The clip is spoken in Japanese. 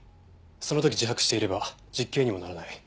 その時自白していれば実刑にもならない。